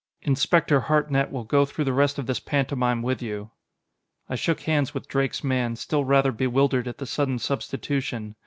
Inspector Hartnett will go through the rest of this pantomime with you." I shook hands with Drake's man, still rather bewildered at the sudden substitution.